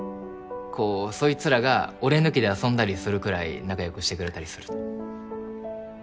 こうそいつらが俺抜きで遊んだりするくらい仲良くしてくれたりすると。